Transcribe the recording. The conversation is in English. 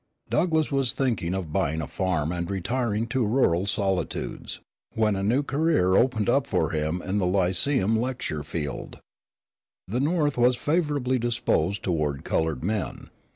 Douglass was thinking of buying a farm and retiring to rural solitudes, when a new career opened up for him in the lyceum lecture field. The North was favorably disposed toward colored men.